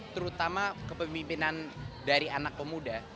terutama kepemimpinan dari anak pemuda